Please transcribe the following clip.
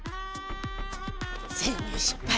潜入失敗！